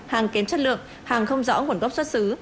hàng kém chất lượng hàng không rõ nguồn gốc xuất xứ